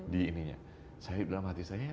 di ininya dalam hati saya